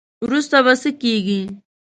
وروسته به څه کیږي.